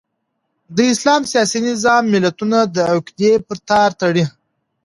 د اسلام سیاسي نظام ملتونه د عقیدې په تار تړي.